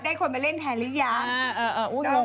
ได้คนมาเล่นแทนหรือยัง